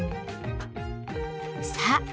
さあ